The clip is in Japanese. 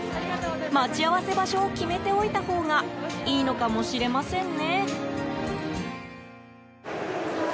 待ち合わせ場所を決めておいたほうがいいのかもしれませんね。